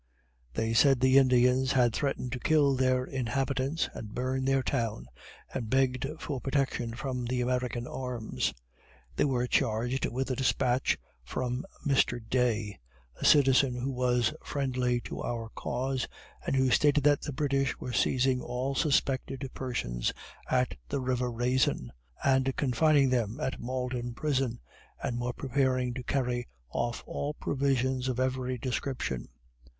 They said the Indians had threatened to kill their inhabitants and burn their town, and begged for protection from the American arms. They were charged with a despatch from Mr. Day, a citizen who was friendly to our cause, and who stated that the British were seizing all suspected persons at the river "Raisin," and confining them at Malden prison, and were preparing to carry off all provisions of every description.